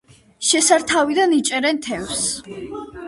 შესართავიდან იჭერენ თევზს.